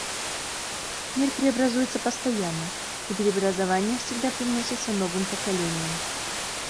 Мир преобразуется постоянно, и преобразования всегда привносятся новым поколением.